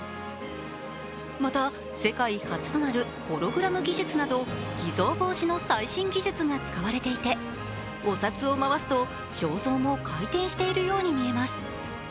また世界初となるホログラム技術など偽造防止の最新技術が使われていてお札を回すと肖像も回転しているように見えます。